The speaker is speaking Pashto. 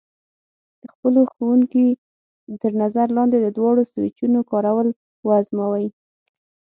د خپلو ښوونکي تر نظر لاندې د دواړو سویچونو کارول وازموئ.